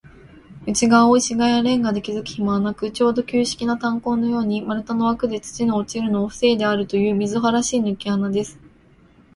内がわを石がきやレンガできずくひまはなく、ちょうど旧式な炭坑のように、丸太のわくで、土の落ちるのをふせいであるという、みすぼらしいぬけ穴です。